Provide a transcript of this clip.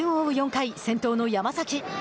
４回先頭の山崎。